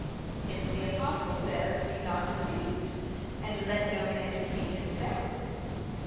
Hence the apostle says, be not deceived, and let no man deceive himself.